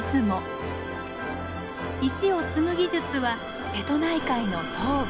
石を積む技術は瀬戸内海の東部。